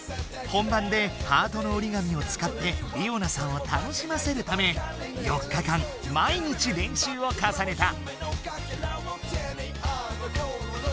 本番でハートの折り紙をつかってりおなさんを楽しませるため４日間毎日れんしゅうをかさねた！